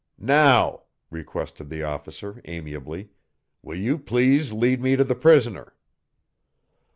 "Now," requested the officer amiably, "will you please lead me to the prisoner?"